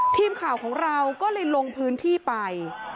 ทีมข่าวของเราก็เลยลงพื้นที่ไป